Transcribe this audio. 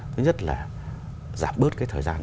thứ nhất là giảm bớt cái thời gian